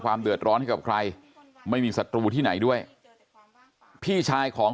เดือดร้อนให้กับใครไม่มีศัตรูที่ไหนด้วยพี่ชายของ